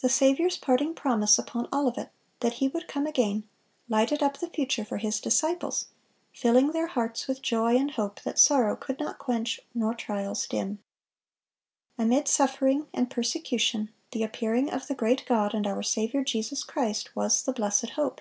The Saviour's parting promise upon Olivet, that He would come again, lighted up the future for His disciples, filling their hearts with joy and hope that sorrow could not quench nor trials dim. Amid suffering and persecution, "the appearing of the great God and our Saviour Jesus Christ" was the "blessed hope."